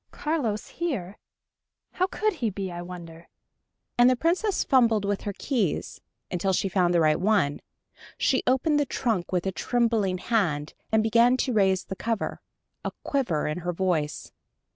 "Carlos here? How could he be, I wonder?" and the Princess fumbled with her keys, until she found the right one. She opened the trunk with a trembling hand, and began to raise the cover, a quiver in her voice.